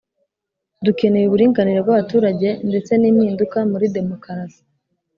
dukeneye uburinganire bw’abaturage ndetse n’impinduka muri demokarasi